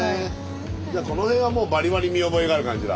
じゃあこの辺はもうバリバリ見覚えがある感じだ？